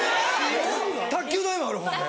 卓球台もあるほんで。